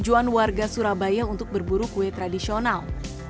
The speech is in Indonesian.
tujuan warga surabaya untuk berburu kue tradisional